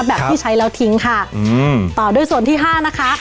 แบบที่ใช้แล้วทิ้งค่ะอืมต่อด้วยส่วนที่ห้านะคะ